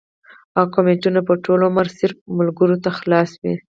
او کمنټونه به ټول عمر صرف ملکرو ته خلاص وي